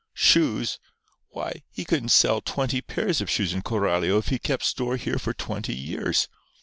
Shoes! Why he couldn't sell twenty pairs of shoes in Coralio if he kept store here for twenty years.